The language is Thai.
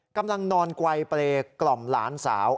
กำลังนอนไกลเปรย์กล่อมหลานสาว